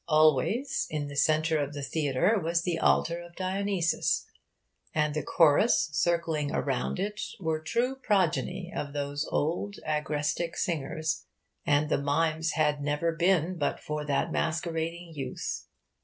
Always in the centre of the theatre was the altar to Dionysus; and the chorus, circling around it, were true progeny of those old agrestic singers; and the mimes had never been but for that masquerading youth.